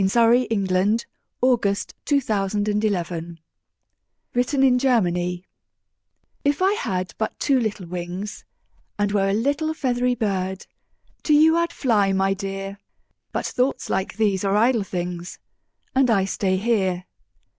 SOMETHING CHILDISH, BUT VERY NATURAL[313:1] WRITTEN IN GERMANY If I had but two little wings And were a little feathery bird, To you I'd fly, my dear! But thoughts like these are idle things, And I stay here.